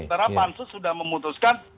karena pansus sudah memutuskan